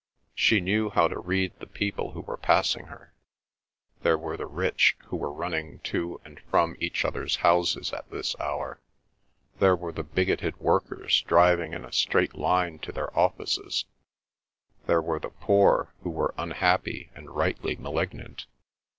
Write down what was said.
She knew how to read the people who were passing her; there were the rich who were running to and from each others' houses at this hour; there were the bigoted workers driving in a straight line to their offices; there were the poor who were unhappy and rightly malignant.